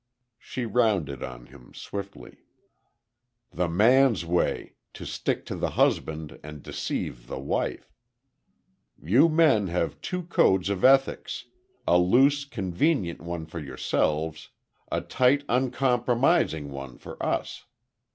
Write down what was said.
She rounded on him, swiftly. "The man's way: to stick to the husband, and deceive the wife.... You men have two codes of ethics a loose, convenient one for yourselves, a tight, uncompromising one for us.